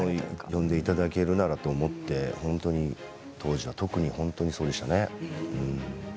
呼んでいただけるならと思って、当時は特に本当にそうでしたね。